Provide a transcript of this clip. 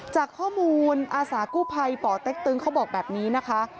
จากข้อมูลอาสากู้ภัยป่อเต็กตึงเขาบอกแบบนี้นะคะ